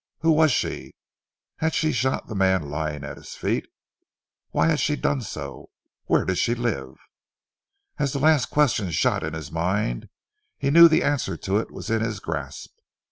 Who was she? Had she shot the man lying at his feet? Why had she done so? Where did she live? As the last question shot in his mind he knew that the answer to it was in his grasp.